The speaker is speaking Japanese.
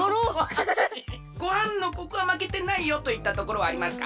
ごはんのここはまけてないよといったところはありますか？